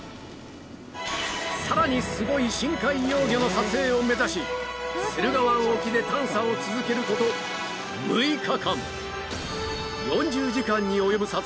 さらにすごい深海幼魚の撮影を目指し駿河湾沖で探査を続けること６日間美しき